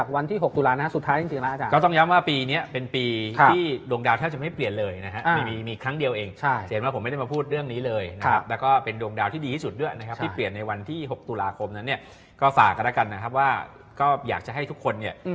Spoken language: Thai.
อ่าอ่าอ่าอ่าอ่าอ่าอ่าอ่าอ่าอ่าอ่าอ่าอ่าอ่าอ่าอ่าอ่าอ่าอ่าอ่าอ่าอ่า